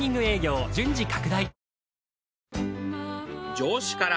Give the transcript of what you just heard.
上司から